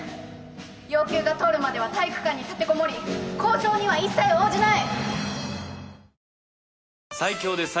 要求が通るまでは体育館に立てこもり交渉には一切応じない！